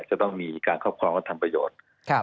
จะต้องมีการครอบครองและทำประโยชน์